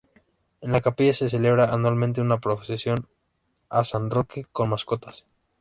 En la capilla se celebra anualmente una procesión a San Roque con mascotas.